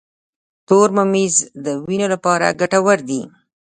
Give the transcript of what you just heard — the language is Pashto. تور ممیز د وینې لپاره ګټور دي.